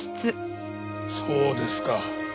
そうですか。